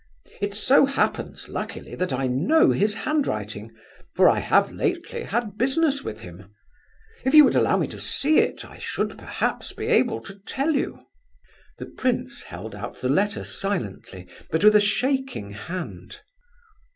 It so happens, luckily, that I know his handwriting, for I have lately had business with him. If you would allow me to see it, I should perhaps be able to tell you." The prince held out the letter silently, but with a shaking hand.